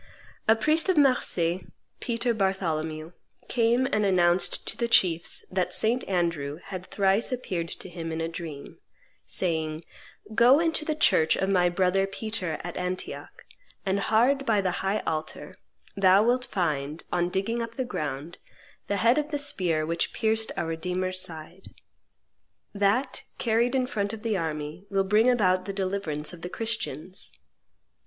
A priest of Marseilles, Peter Bartholomew, came and announced to the chiefs that St. Andrew had thrice appeared to him in a dream, saying, "Go into the church of my brother Peter at Antioch; and hard by the high altar thou wilt find, on digging up the ground, the head of the spear which pierced our Redeemer's side. That, carried in front of the army, will bring about the deliverance of the Christians."